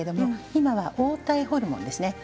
今は黄体ホルモンです。